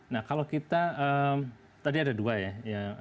nah kalau kita tadi ada dua ya